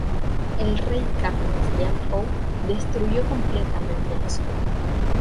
El rey Carlos de Anjou destruyó completamente la ciudad.